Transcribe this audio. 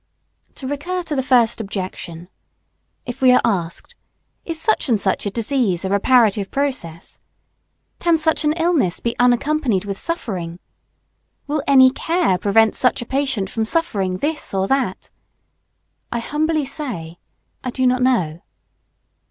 ] To recur to the first objection. If we are asked, Is such or such a disease a reparative process? Can such an illness be unaccompanied with suffering? Will any care prevent such a patient from suffering this or that? I humbly say, I do not know.